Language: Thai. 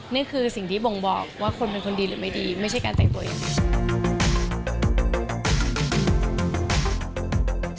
นี่คือสิ่งที่บ่งบอกว่าคนเป็นคนดีหรือไม่ดีไม่ใช่การแต่งตัวเอง